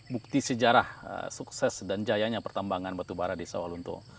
bukti sejarah sukses dan jayanya pertambangan batubara di sawalunto